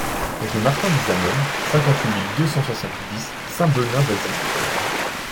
Rue Martin des Amognes, cinquante-huit mille deux cent soixante-dix Saint-Benin-d'Azy